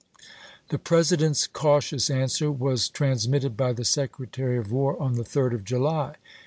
The President's cautious answer was transmitted by the Secretary of War on the 3d of July.